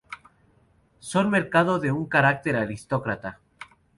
Son tribus de un marcado carácter aristócrata.